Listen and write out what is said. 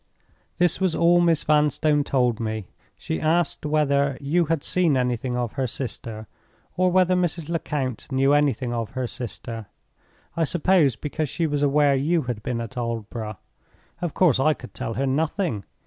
"This was all Miss Vanstone told me. She asked whether you had seen anything of her sister, or whether Mrs. Lecount knew anything of her sister—I suppose because she was aware you had been at Aldborough. Of course I could tell her nothing.